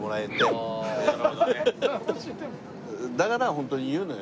だからホントに言うのよ。